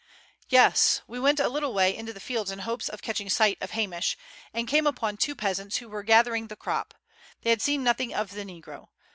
"Yes, we went a little way into the fields in hopes of catching sight of Hamish, and came upon two peasants who were gathering the crop. They had seen nothing of the negro.